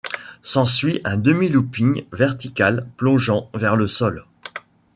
S'ensuit un demi looping vertical plongeant vers le sol.